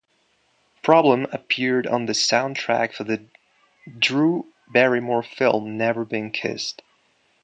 "Problem" appeared on the soundtrack for the Drew Barrymore film "Never Been Kissed".